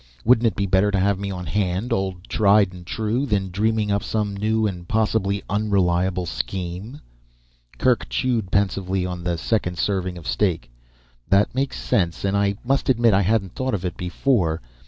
Wouldn't it be better to have me on hand old tried and true than dreaming up some new and possibly unreliable scheme?" Kerk chewed pensively on the second serving of steak. "That makes sense. And I must admit I hadn't thought of it before.